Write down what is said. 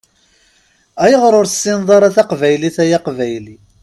Ayɣeṛ ur tessineḍ ara taqbaylit ay aqbayli?